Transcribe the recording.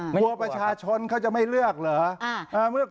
กลัวประชาชนเขาจะไม่เลือกเหรอ